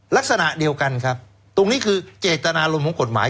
ลักษณะเดียวกันครับตรงนี้คือเจตนารมณ์ของกฎหมาย